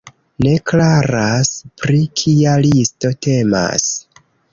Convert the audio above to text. Ne klaras, pri kia listo temas.